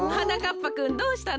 ぱくんどうしたの？